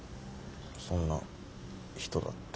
そんな人だった。